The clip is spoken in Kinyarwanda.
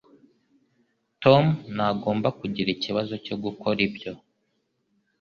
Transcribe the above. Tom ntagomba kugira ikibazo cyo gukora ibyo.